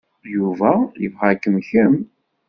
Yuba yebɣa-kem kemm.